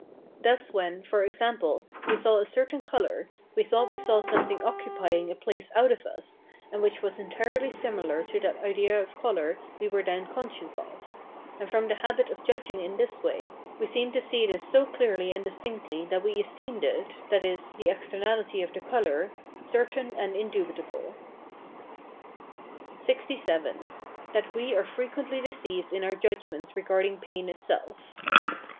Thus when, for example, we saw a certain colour, we thought we saw something occupying a place out of us, and which was entirely similar to that idea of colour we were then conscious of; and from the habit of judging in this way, we seemed to see this so clearly and distinctly that we esteemed it (i.e., the externality of the colour) certain and indubitable. LXVII. That we are frequently deceived in our judgments regarding pain itself.